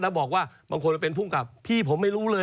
แล้วบางคนเขาเป็นผู้กรรพพี่ผมไม่รู้เลย